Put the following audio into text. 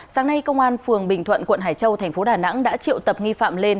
sáng nay công an phường bình thuận quận hải châu thành phố đà nẵng đã triệu tập nghi phạm lên